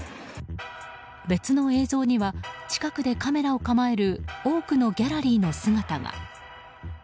別の映像には近くでカメラを構える多くのギャラリーの姿が。